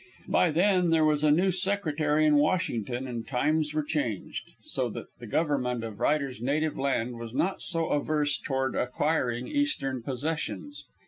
By then there was a new Secretary in Washington and times were changed, so that the Government of Ryder's native land was not so averse toward acquiring Eastern possessions.